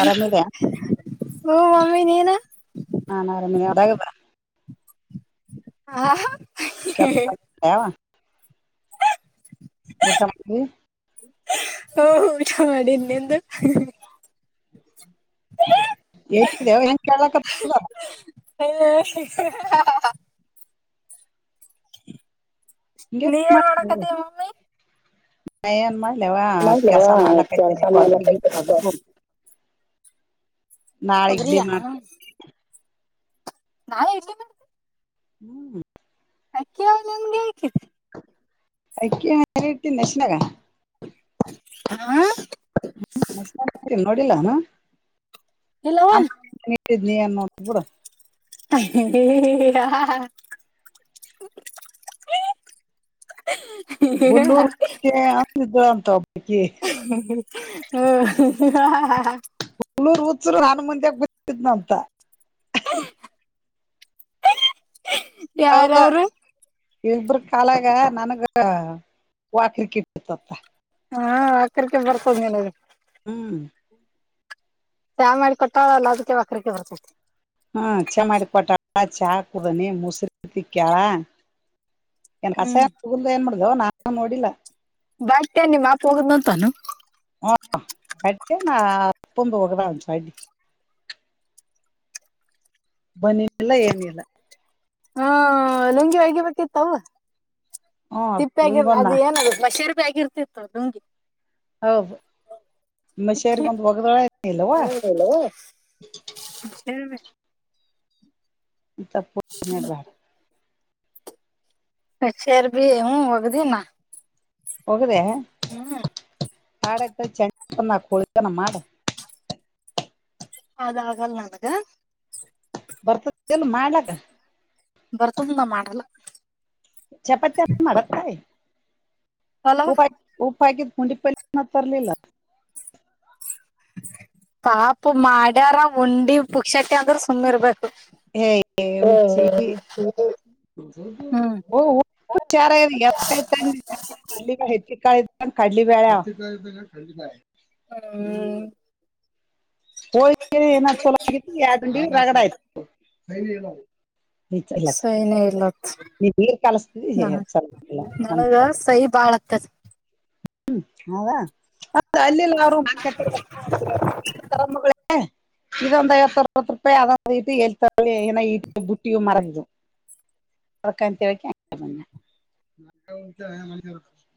ಆರಾಮಿದೆ ಹೂ ಮಮ್ಮಿ ನೀನು ನಾನು ಅವರ ಮನೆಗೆ ಇದ್ದೀನಿ ಹಾ ಆ ಆವಾ ಊಟ ಮಾಡ್ದ ಹೂ ಊಟ ಮಾಡಿದೆ ನಿಂದು ಏವ ಹೆಂಗ ಕಳ್ಕ್ಕ ಹ್ಮ ನೀ ಏನ್ ಮಾಡ್ನ್ ಮಾಡಕತ್ತಿ ಮಮ್ಮಿ ಮಾಡ ಲ್ಲವಾ ಮೊದ್ಲು ಕೆಸ ಕೆಲ್ಸ ಮಾಡ್ಲಕ್ಕೈತೀರಿ ಮಾಡ್ಲಕತ್ತಿರಪ್ಪ ನಾಳೆ ಇಡ್ಲಿ ಕೊಬ್ರಿಯಾ ಮಾಡ್ತೀಿ ನಾನ್ ಹಳ್ತೀ ಹ್ಮ್ ಅಕ್ಕಿ ನಿಮ್ಗೆ ಅಐಕ್ಕಿ ಇಟ್ಟನಶಿನಾಗ ಹಾ ನೋಡಿಲ್ಲ ನಾನ ಎಲ್ಲವ್ವ ಇ ನೀ ಅನ್ನೋ ಕಡ ಹ ಹಾ ಹ ಹುಲ್ಲೂರ್ ಹುಚ್ಚೆ ಹ್ಮ ಅಂದಿದ್ಳು ಅಂತ ಒಬ್ಬಾಕಿ ಹ ಹಾ ಹಾ ಹುಳೂರ್ ಹುತ್ರು ಹಾನ ಮುಂದಾಗ ಬಿದ್ನ ಅಂತ [unintelligible] ಹೌದ ಯಾರವ್ರು ಇಬ್ರ ಕಾಲಾಗ ನನ್ಗ ವಾಕ್ಲಿಕ್ಕ ಇಟ್ಟಿತತ್ತ ಹಾ ಆಕಕೆ ಬರ್ತದ್ ನನ ಅದು ಹ್ಮ್ ಚಹ ಮಾಡಿ ಕೊಟ್ಟ ಅಲ್ಲ ಅದಕ್ಕೆ ಅಕ್ರಕಕ್ಕೆ ಬರ್ತೈತಿ ಹ್ಮ ಚಾ ಮಾಡಿ ಕೊಟ ಚಾ ಹಾಕುದನಿ ಮುಸರು ತಿ ಕ್ಯಳ ನ್ ಹ್ಮ್ ಕಸಾಯನ್ ಹಗುಲ್ದ ಏನ್ ಮಾಡಡ್ದವ ನಾನು ನೋಡಿಲ್ಲ ಬತೆ ನಿಮ್ಮಪ ಹೋಗುದ್ ಅಂತಾನ ಹ ಅಡ್ ನಾ ತುಂಬು ಹೋಗದ ಅಂಸ ಅಡ್ಡಿ ಬನ್ನಿಲ್ಲ ಏನ ಇಿಲ್ಲ ಹಾ ಲುಂಗಿ ಹಗಿಬೇಕಿತ್ತವ ಹ್ಮ್ ತಿಪ್ಪ ಆಾಗಿ ಲಿಂಗೊಂದ ಅದು ಏನ ಬಷೇರ್ ಭ ಆಗಿರ್ತಿತ್ತು ನಂಗೆ ಹೌದಷರಿ ಒಂದು ಒಗ್ದಳೆ ನ ಇಲ್ವಾ ಹಲೋ ಇತ್ತ ಪೂ ಬ ಹಷೇರ್ ಭೀ ಹ್ ಒೋಗ್ದಿಿನ ಹೋಗ್ರೆ ಹ್ಮ್ ಹಾಡೈ್ತ ಚೆಳನ ಮಾಡ ಅದಾಗಲ್ ನನ್ಗ ಬರ್ತದ ಎಲ್ ಮಾಡ್ಲಕ್ಕ ಬರ್ತ ನ ಮಾಡಲ್ಲ ಚಪಾತಿಪ ಮಾಡಾರೆ ಅಲವ ಉಊಪ ಉಪ್ಪ ಹಾಕಿದತ್ ಮುಂಡಿ ಪಲ್ಲಿಯನ ತರಲಿಲ್ಲ ಪಾಪ ಮಾಡ್ಯಾರ ಉಂಡಿ ಪುಕ್ಷಟ್ಟಿ ಅಂದ್ರ ಸುಮಮ್ಮ ಇರ್ಬೇಕು ಏ ಹುಚ್ಚಿ ಹ್ಮ ಓ ಚಾರ ಯಾಯ್ತ [inaudible] ಇ ಹೆಚ್ಚಿ ಕಾಳ ಕಡ್ಲಿ ಬ್ಯಾಳೆ [inaudible] ಹ್ಮ ಹೋ [unintelligible] ಏನ್ ಚಲ ಆಗ ಎಡುಂಡ ರಗಡ ಆಯ್ತು [unintelligible] [unintelligible] [inaudible] ಈ ಇಲ್ಲ ಸೈನೇ ಇಲ್ಲತ್ ನೀಗ ಕಲಸ್ತ ನ ಸಹಿ ಬಾಳ್ ಆಗ್ತದ್ ಹ್ಮ್ ಹದಾ ಅಲ್ಲಿಲ್ಲ [inaudible] ಇದೊಂದ್ ಐವತ್ತು ಅರವತ್ತು ರೂಪಾಯಿ ಅದ [inaudible] [unintelligible] ಎಲ್ತ ಏ ಇ ಬುಟ್ಟಿ ಮರ ಇದು [unintelligible] [inaudible] ಹೊರಕಂತ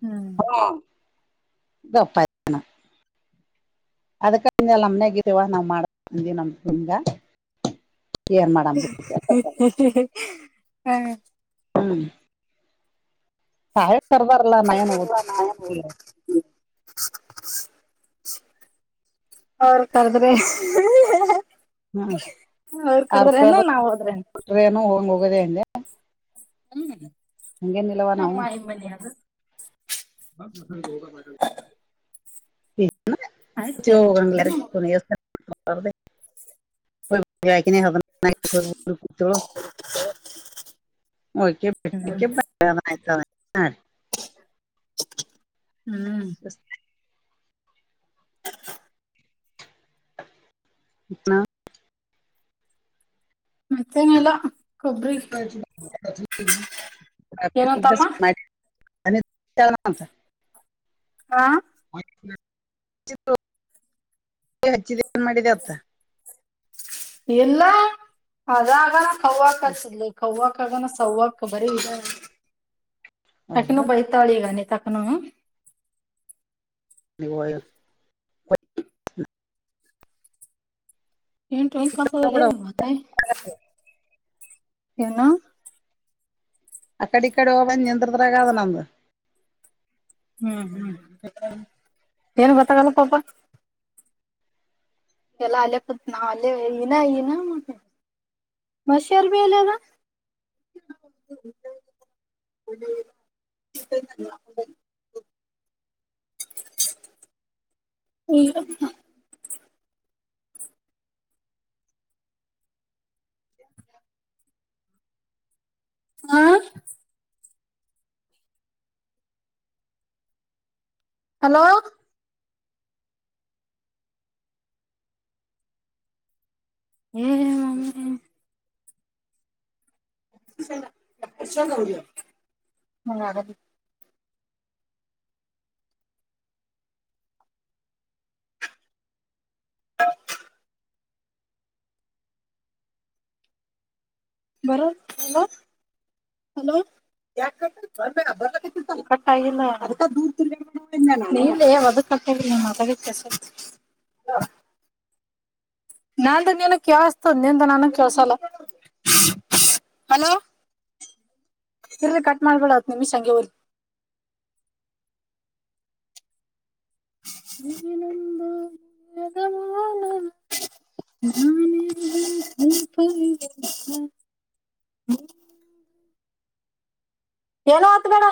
ಹ್ಮ್ ಹಾ ಗೊಪ್ಪಾಯ [unintelligible] ಅದ್ [unintelligible] ಕಿಂದೆಲ್ಲ ನಮ್ನೆಗೀವ ನಾವ್ ಮಾಡ ಬಂದಿವವಿ ನಮ ಹಂಗ [unintelligible] ಹಾ ಹ್ಮ್ ತಾಯಿ ಕರ್ದಾರಲ್ಲ ನಾ ಏನು ಓದ್ತೀವಿ [unintelligible] ಅವರು ಕರ್ದ್ರೆ ಹ್ಮ್ ಅವ್ರ ಕರ್ದ್ರನೋ ನಾವ್ ಹೋದ್ರೆನು ಕೊಟ್ರೇನು ಹೋಗ್ ಹೋಗೋದೆ ಅಂದೆ ಹ್ಮ್ ಹಂಗೇನ್ ಇಲ್ವವಾ ನಾವು ಮನ್ಯಾದು [unintelligible] [inaudible] ಆಯ್ತೇನ್ ಹೋಗ [inaudible] ನೀ ಹ ಓ [inaudible] [inaudible] [inaudible] ಹ್ಮ್ ಹಯ್ತ ಹಾಂ ಹ್ಮ್ ಸ [inaudible] ಹಾ ಮತ್ತೇನಿಲ್ಲ ಕೊಬ್ಬರಿ ಏನಂತಮ್ಮ [unintelligible] ಅ ಚನಂತ [unintelligible] ಹಾ [inaudible] ಹಚ್ಚಿದೆ ಏನ್ ಮಾಡಿದೆ ಅತ್ತ ಇಲ್ಲ ಅದಾಗ ಕೌವ್ವ [unintelligible] [inaudible] ಹಚ್ಚಿದಲಿ ಕೌ್ [unintelligible] ಸವ್ವಕ್ ಬರಿ ಇದ ಹೌದು ಅಕಿನು ಬಿಡ್. ಬರಿತಾವ್ಳೆ ಈಗ ಅನಿತಾಕನು ಇವಾಯ [unintelligible] ಎಂಟು [unintelligible] ಕಸದ ಬಿಡ. ಮತ್ತಾಯಿ ಎನು ಅಕ್ಕಡೆ ಇಕಡೆ ಹೋಗ್ಬಂದ್ ನಿಂದ್ರ್ ದಾಗ ಅದ್ ನಮ್ದು ಹ್ಮ್ ಹ್ಮ್ ಏನ್ ಗೊತ್ತಾಗಲ್ಲ ಪಾಪ ಎಲ್ಲ ಅಲ್ಲ ಕುತ್ ನಾ ಅಲ್ಲೇ ಎನ ಎನ ಮತ್ತೆ ಮಷಾರ್ [unintelligible] ಮಲೆದ [unintelligible] ಹ್ಮ [unintelligible] [unintelligible] ಹಾ ಹಲೋ ಂ ಷ ನೌ ಮ ಬರ ಹಲೋ ಯ ಟ್ಟಾಗಿಲ್ಲ ಅ ದೂ ಕ ಮಾತ ವ್ಯತ್ಯಾಸ ನಾ ನೀನು ಕೇಳಸ್ತ ನೀ ನಾನು ಕೇಳಸಲ್ಲಲೋ ಇರ್ರಲಿ ಕಟ್ ಮಾಡ್ಬಡತ್ ನಿಮ್ಷ ಹಗೆ ಹೋೋಗಲಿ ಇಿನಂದು ಮದಮಾನ ನಾನ ಏನ ಆತ್ ಮೇಡ